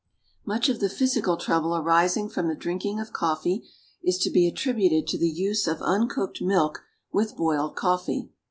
Much of the physical trouble arising from the drinking of coffee is to be attributed to the use of uncooked milk with boiled coffee.